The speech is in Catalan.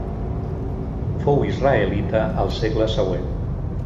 Fou israelita al segle següent.